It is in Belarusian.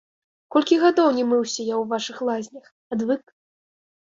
Колькі гадоў не мыўся я ў вашых лазнях, адвык.